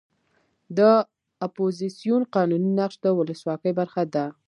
د اپوزیسیون قانوني نقش د ولسواکۍ برخه ده.